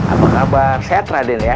apa kabar sehat raden ya